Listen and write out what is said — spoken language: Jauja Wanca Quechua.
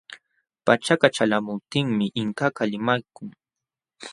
Pachaka ćhalqamuptinmi Inkakaq limaykun.